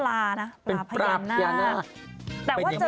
แต่เขาเป็นปลานะเป็นพญานาคเป็นปลาพญานาค